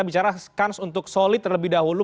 bicara skans untuk solid terlebih dahulu